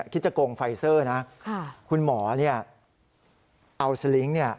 คิดจะโกงไฟเซอร์นะคุณหมอเนี่ยเอาสลิงค์